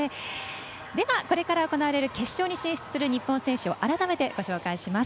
では、これから行われる決勝に進出する日本選手を改めてご紹介します。